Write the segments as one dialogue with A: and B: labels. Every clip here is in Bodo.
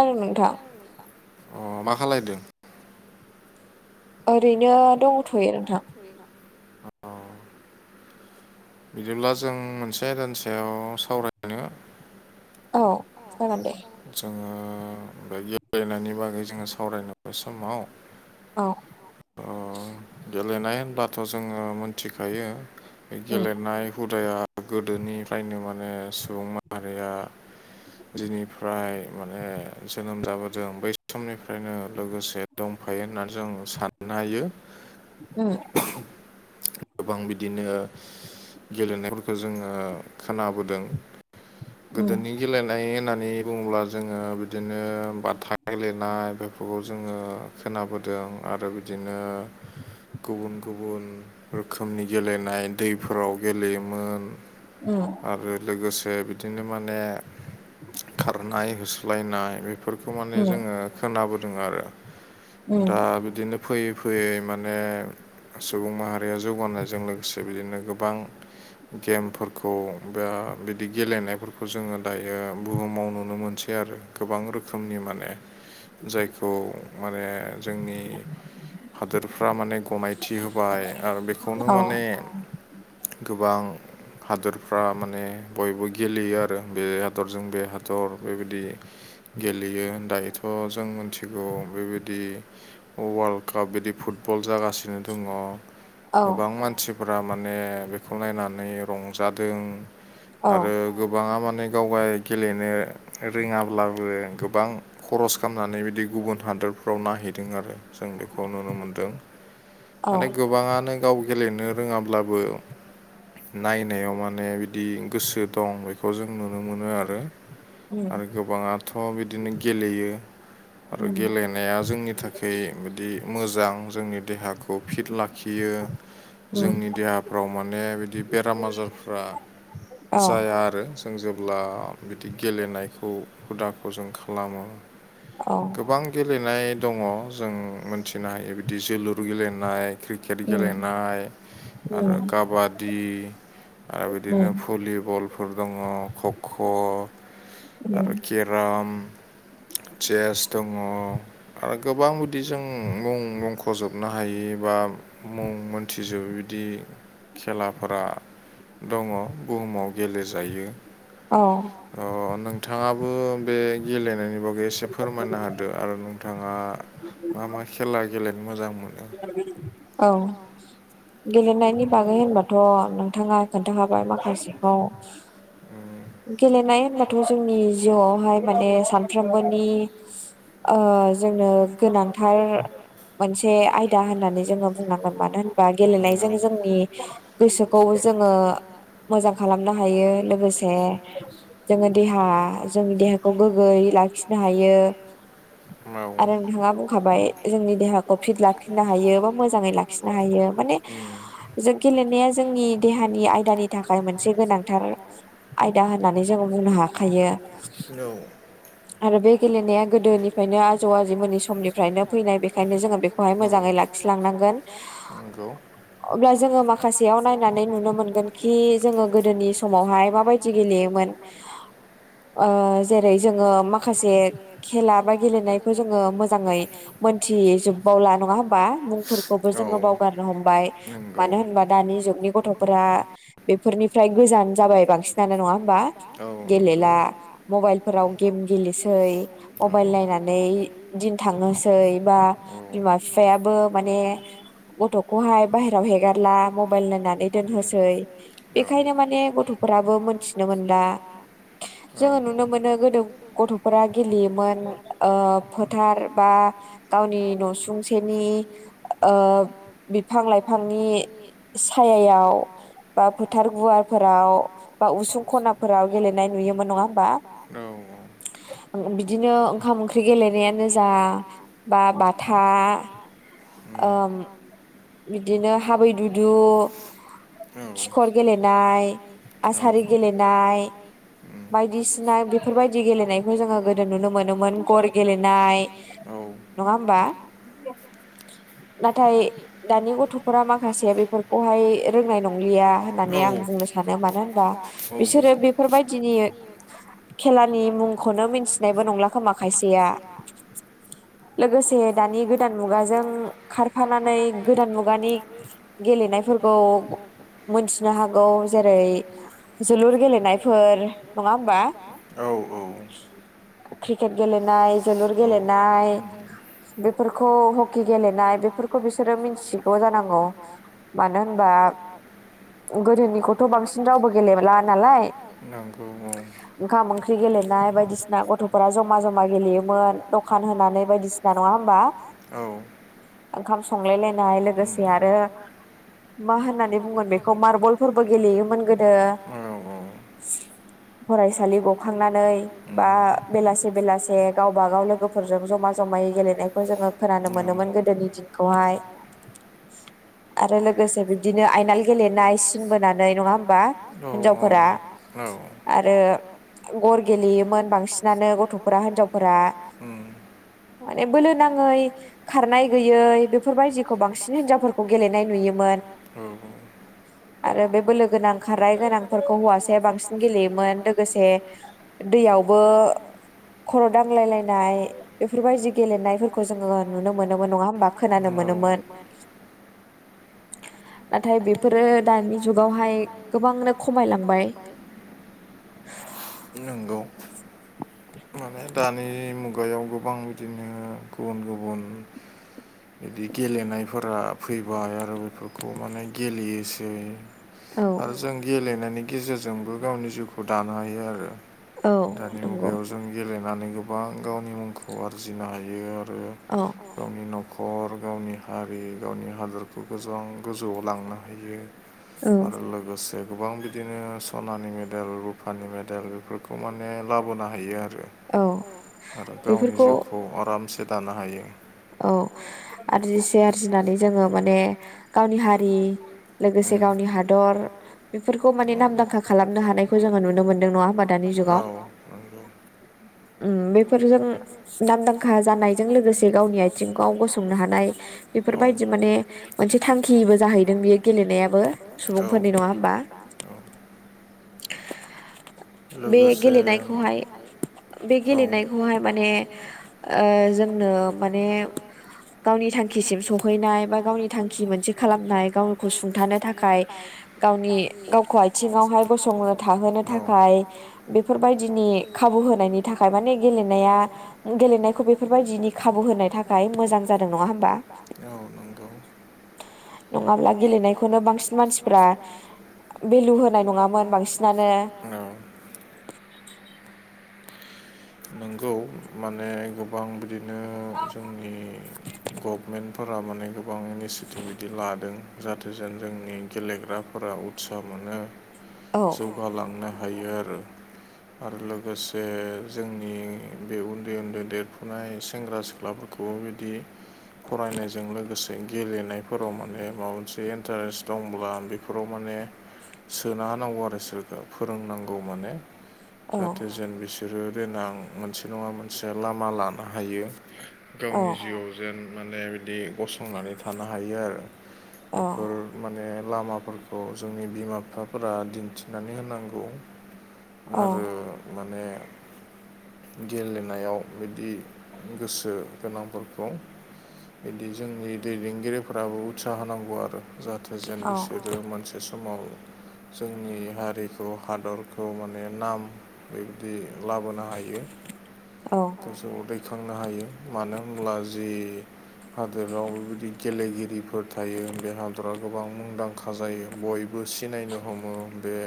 A: औ नोंथां
B: अ मा खालायदों
A: ओरैनो दंथ'यो नोंथां
B: बिदिब्ला जों मोनसे आयदानि सायाव सावराय आंङो
A: औ जागोन दे
B: जोंङो बे गेलेनायनि बागै जोङो सावरायनाय बे समाव
A: औ
B: गेलेनाय होनब्लाथ' जोंङो मोनथिखायो बे गेलेनाय हुदाया गोदोनिफ्रायनो माने सुबुं माहारिया दिनै फ्राय माने जोनोम जाबोदों बै समनिफ्रायनो लोगोसे दंफायो होननानै जों सानो नायो
A: उम
B: गोबां बिदिनो गेलेनायफोरखौ जोंङो खोनाबोदों गोदोनि गेलेनाय होननानै बुङोब्ला जोंङो बिदिनो बाथा गेलेनाय बेफोरखौ जोंङो खोनाबोदों आरो बिदिनो गुबुन गुबुन रोखोमनि गेलेनाय दैफोराव गेलेयोमोन
A: ओ
B: आरो लोगोसे बिदिनो माने खारनाय होसोलायनाय बेफोरखौ माने जोङो खोनाबोदों आरो दा बिदिनो फैयै फैयै माने सुबुं माहारिया जौगानायजों लोगोसे बिदिनो गोबां गेमफोरखौ बा बिदि गेलेनायफोरखौ जोङो दायो बुहुमाव नुनो मोनसै आरो गोबां रोखोमनि माने जायखौ माने जोंनि हादोरफ्रा माने गनायथि होबाय आरो बेखौनो माने गोबां हादोरफ्रा माने बयबो गेलेयो आरो बे हादरजों बे हादर दर बेबायदि गेलेयो दायोथ' जों मिथिगौ बेबायदि वार्ल्ड काप बिदि फुटबल जागासिनो दङ गोबां मानसिफोरा माने बेखौ नायनानै रंजादों आरो गोबाङा माने गाव गाव गेलेनो रोङाब्लाबो गोबां खरस खालामनानै बिदि गुबुन हादरफ्राव नायहैदों आरो जों बेखौ नुनो मोनदों माने गोबाङानो गाव गेलेनो रोङाब्लाबो नायनायाव माने बिदि गोसो दं बेखौ जों नुनो मोनो आरो आरो गोबाङाथ' बिदिनो गेलेयो आरो गेलेनाया जोंनि थाखाय बिदि मोजां जोंनि देहाखौ फिट लाखियो जोंनि देहा फोराव माने बिदि बेराम आजारफ्रा जाया आरो जों जेब्ला बिदि गेलेनायखौ हुदाखौ जों खालामो
A: औ
B: गोबां गेलेनाय दङ जों मोनथिनो हायो बिदि जोलुर गेलेनाय क्रिकेट गेलेनाय आरो काबादि आरो बिदिनो भलिबल फोर दङ खख' आरो केराम चेस दङ आरो गोबां बिदि जों मुं मुंखजोबनो हायि बा मुं मोनथिजोबि बिदि खेलाफोरा दङ बुहुमाव गेलेजायि
A: औ
B: अ नोंथाङाबो बे गेलेनायनि बागै एसे फोरमायना होदो आरो नोंथाङा मा मा खेला गेलेनो मोजां मोनो
A: औ गेलेनायनि बागै होनोबाथ' नोंथाङा खोन्थाखाबाय माखासेखौ गेलेनाय होनबाथ' जोंनि जिउआवहाय माने सानफ्रोमबोनि ओ जोंनो गोनांथार मोनसे आय दा होननानै जोङो बुंनांगोन मानो होनोबा गेलेनायजों जोंनि गोसोखौ जोङो मोजां खालामनो हायो लोगोसे जोङो देहा जोंनि देहाखौ गोग्गोयै लाखिनो हायो आरो नोंथाङा बुंखाबाय जोंनि देहाखौ फिट लाखि नो हायो बा मोजाङै लाखिनो हायो माने जों गेलेनाया जोंनि देहानि आयदानि थाखाय मोनसे गोनांथार आयदा होननानै जों बुंनो हाखायो आरो बे गेलेनाया गोदोनिफ्रायनो आजौ आजौमोननि समनिफ्रायनो फैनाय बेखायनो जोङो बेखौहाय मोन मोजाङै लाखिलांनांगोन
B: नंगौ
A: अब्ला जोङो माखासेयाव नायनानै नुनो मोनगोन खि जोङो गोदोनि समावहाय माबायदि गेलेयोमोन जेरै जोङो माखासे खेला बा गेलेनायखौ जोङो मोजाङै मोनथिजोबबावला नङा होमबा होनबा मुंफोरखौबो जोङो बावगारनो हमबाय मानो होनबा दानि जुगनि गथ'फोरा बेफोरनिफ्राय गोजान जाबाय बांसिनानो नङा होमबा गेलेला मबाइलफोराव गेम गेलेसै मबाइल नायनानै दिन थांहोसै बा बिमा बिफा बिफायाबो माने गथ'खौहाय बाहेराव हेगारला मबाइल नायनानै दोनथसै बेखायनो माने गथ'फोराबो मोनथिनो मोनला जोङो नुनो मोनो गोदो गथ'फोरा गेलेयोमोन फोथार बा गावनि न'सुं नि बिफां लाइफांनि सायायाव बा फोथार गुवारफोराव बा उसुं खनाफोराव गेलेनाय नुयोमोन नङा होमबा बिदिनो ओंखाम ओंख्रि गेलेनायानो जा बा बाथा अम बिदिनो हाबैदुदु खिखर गेलेनाय आसारि गेलेनाय बायदिसिना बेफोरबायदि गेलेनायखौ जोङो गोदो नुनो मोनोमोन गर गेलेनाय नङा होमबा नाथाय दानि गथ'फोरा माखासे बेफोरखौहाय रोंनाय नंलिया होननानै आं बुंनो सानो सानो मानो होनबा बिसोरो बेफोरबायदिनि खेलानि मुंखौनो मिथिनायबो नंला खोमा खायसेया लोगोसे दानि गोदान मुगाजों खारफानानै गोदान मुगानि गेलेनायफोरखौ मोनथिनो हागौ जेरै जोलुर गेलेनायफोर नङा होमबा
B: औ औ
A: क्रिकेट गेलेनाय जोलुर गेलेनाय बेफोरखौ हकि गेलेनाय बेफोरखौ बिसोरो मिथिगौ जानांगौ मानो होनबा गोदोनिखौथ' बांसिन रावबो गेलेला नालाय
B: अ
A: ओंखाम ओंख्रि गेलेनाय बायदिसिना गथ'फोरा जमा जमा गेलेयोमोन दखान होनानै बायदिसिना होना नङा होमबा [unintelligible]
B: औ
A: ओंखाम संलायलायनाय लोगोसे आरो मा होननानै बुंगोन बेखौ मार्बलफोरबो गेलेयोमोन गोदो फरायसालि गखांनानै बा बेलासे बेलासे गावब गाव लोगोफोरजों जमा जमायै गेलेनायखौ जोङो खोनानो मोनोमोन गोदोनि दिनखौहाय आरो लोगोसे बिदिनो आयनाल गेलेनाय सिनबोनानै नङा होमबा हिन्जावफोरा आरो गर गेलेयोमोन बांसिनानो गथ'फोरा हिनजावफोरा माने बोलो नाङै खारनाय गैयै बेफोरबायदि बांसिन हिनजावफोरखौ गेलेनाय नुयोमोन आरो बे बोलो गोनां खारनाय गोनांफोरखौ हौवासाया बांसिन गेलेयोमोन लोगोसे दैयावबो खर' दांलायलायनाय बेफोरबायदि गेलेनायफोरखौ जोङो नुनो मोनोमोन नङा होमबा खोनानो मोनोमोन [inaudible] नाथाय बेफोरो दानि जुगावहाय गोबांनो खमायलांबाय
B: नंगौ माने दानि मुगायाव गोबां बिदिनो गुबुन गुबुन बिदि गेलेनायफोरा फैबाय आरो बेफोरखौ माने गेलेयोसै बा जों गेलेनायनि गेजेरजोंबो गावनि जिउखौ दानो हायो आरो दानि मुगायाव जों गेलेनानै गोबां गावनि मुंखौ आरजिनो हायो आरो
A: औ
B: गावनि न' न'खर गावनि हारि गावनि हादरखौ गोबां गोजौआव लांनो हायो आरो लोगोसे ओ गोबां बिदिनो सनानि मेडेल रुफानि मेडेल बेफोरखौ माने लाबोनो हायो आरो आरो गावनि जिउखौ आरामसे दानो हायो।
A: औ आरजिसे आरजिनानै जोङो माने गावनि हारि लोगोसे गावनि हादर बेफोरखौ माने नामदांखा खालामनो हानायखौ जोङो नुनो मोनदों नङा होमबा नोंथां दानि जुगाव बेफोरजों नामदांखा जानायजों लोगोसे गावनि आथिं गाव गसंनो हानाय बेफोरबायदि माने मोनसे थांखिबो जाहैदों बियो गेलेनायाबो सुबुंफोरनि नङा होमबा। बे गेलेनायखौहाय बे गेलेनायखौहाय माने ओ जोंनो माने गावनि थांखिसिम सहैनाय बा गावनि थांखि मोनसे खालामनाय गावखौ सुंथानो थाखाय गावनि गावखौ आथिङावहाय गसंनो थाहोनो थाखाय बेफोरबायदिनि खाबु होनायनि थाखाय माने गेलेनाया गेलेनायखौ बेफोरबायदिनि खाबु होनाय थाखाय मोजां जादों नङा होमबा नङाब्ला गेलेनायखौनो बांसिन मानसिफ्रा भेलु होनाय नङामोन बांसिनानो
B: नोंगौ माने गोबां बिदिनो जोंनि गभमेन्ट फोरा माने गोबां इनिसियेटिभ बिदि लादों जाहाथे जेन जोंनि गेलेग्राफोरा उत्साह मोनो
A: औ
B: जौगालांनो हायो आरो आरो लोगोसे जोंनि बे उन्दै उन्दै देरफुनाय सेंग्रा सिख्ला सिख्लाफोरखौबो बिदि फरायनायजों लोगोसे गेलेनाय फोराव माने माबा मोनसे इन्टारेस्ट दंब्ला बेफोराव माने सोना होनांगौ आरो इसोरखौ फोरोंनांगौ माने जाहाथे जेन बिसोर सोरो देनां मोनसे नङा मोनसे लामा लानो हायो गावनि जिउआव जेन माने बिदि गसंनानै थानो हायो आरो बेफोर माने लामाफोरखौ जोंनि बिमा बिफाफोरा दिन्थिनानै होनांगौ आरो माने गेलेनायाव बिदि गोसो गोनांफोरखौ बिदि जोंनि दैदेनगिरिफोराबो उत्साह होनांगौ आरो जाहाथे जेन बिसोरो मोनसे समाव जोंनि हारिखौ हादरखौ माने नाम बेबदि लाबोनो हायो गोजौआव दैखांनो हायो मानो होनब्ला जि हादोराव बेबायदि गेलेगिरिफोर थायो बे हादरा गोबां मुंदांखा जायो बयबो सिनायनो हमो बे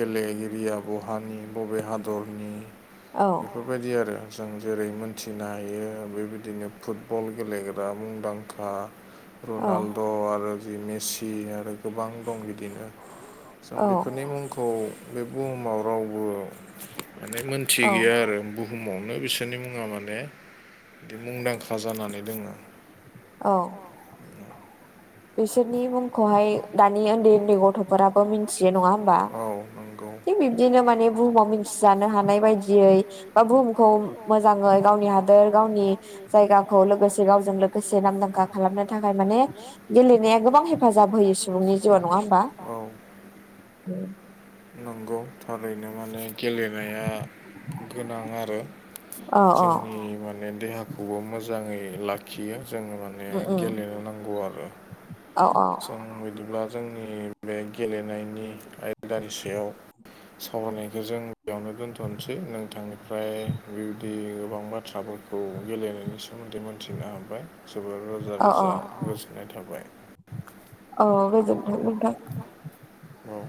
B: गेलेगिरिया बहानि बबे हादरनि
A: औ
B: बेफोरबायदि आरो जों जेरै मोनथि थिनो हायो बेबायदिनो फुटबल गेलेग्रा मुंदांखा रनालद' आरो जि मेसि आरो गोबां दं बिदिनो जों बेफोरनि मुंखौ बे बुहुमाव रावबो माने मोनथि गैया आरो बुहुमावनो बिसोरनि मुंङा माने माने बे मुंदांखा जानानै दोंङो।
A: औ बिसोरनि मुंखौहाय दानि उन्दै उन्दै गथ' फोराबो मिथियो नंङा होमबा? बिबदिनो माने बुहुमाव जानो हानाय बायदियै बा बुहुमखौ मोजांङै गावनि हादोर गावनि जायगाखौ लोगोसे गावजों लोगोसे नामदांखा खालामनो थाखाय माने गेलेनाया गोबां हेफाजाब होयो सुबुंनि जिउआव नंङा होमबा?
B: नंगौ थारैनो माने गेलेनाया गोनां आरो जोंनि माने देहाखौ खौबो मोजांङै लाखियो जोंङो माने गेलनो नांगौ आरो।
A: औ औ।
B: खौ बायदिब्ला जोंनि बे गेलेनायनि आयदानि सायाव सावरायनायखौ जों गयावनो दोनथ'नोसै नोंथांनिफ्राय बेबायदि गोबां बाथ्रा खौ गेलेनायनि सोमोन्दै मोनथिनो हाबाय जोबोर रोजा रोजा गोजोननाय थाबाय।
A: औ गोजोनथों नोंथां।
B: औ।